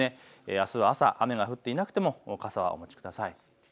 あすは朝、雨が降っていなくても傘はお持ちください。